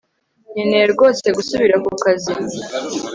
nkeneye rwose gusubira ku kazi